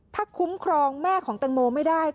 ถ้าคุ้มครองแม่ของตังโมไม่ได้